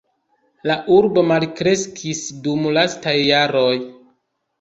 La urbo malkreskis dum lastaj jaroj.